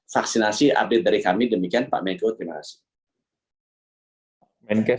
vaksinasi update dari kami demikian pak meko terima kasih